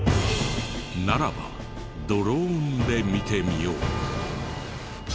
ならばドローンで見てみよう。